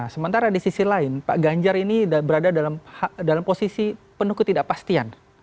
sementara di sisi lain pak ganjar ini berada dalam posisi penuh ketidakpastian